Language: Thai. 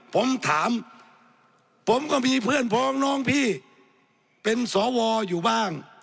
ผมถามผมก็มีเพื่อนพ้องน้องพี่เป็นสวอยู่บ้าง